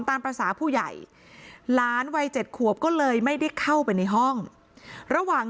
ตามภาษาผู้ใหญ่หลานวัย๗ขวบก็เลยไม่ได้เข้าไปในห้องระหว่าง